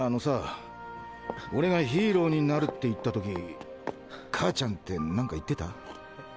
俺がヒーローになるって言った時母ちゃんって何か言ってた？